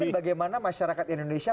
ini kan bagaimana masyarakat indonesia